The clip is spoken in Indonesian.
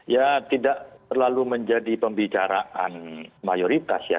ya tidak terlalu menjadi pembicaraan mayoritas ya